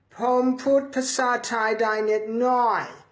ผมพูดภาษาไทยได้นิดหน่อย